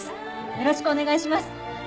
よろしくお願いします。